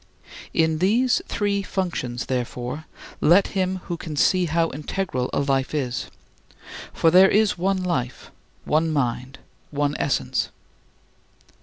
In these three functions, therefore, let him who can see how integral a life is; for there is one life, one mind, one essence.